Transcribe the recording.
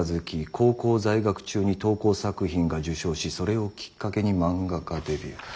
高校在学中に投稿作品が受賞しそれをきっかけに漫画家デビュー。